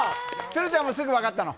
鶴ちゃんもすぐ分かったの？